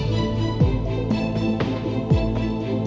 ทุกอย่างซ่อมได้